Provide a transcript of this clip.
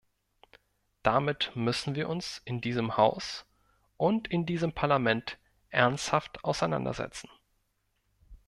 Damit müssen wir uns in diesem Haus und in diesem Parlament ernsthaft auseinander setzen.